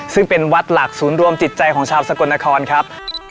ซึ่งเป็นวัดหลักศูนย์รวมจิตใจของชาวสกลนครครับ